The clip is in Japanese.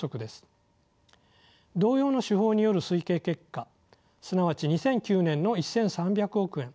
同様の手法による推計結果すなわち２００９年の１，３００億円